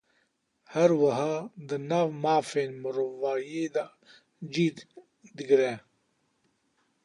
Her wiha, di nav mafên mirovahiyê de cih digire.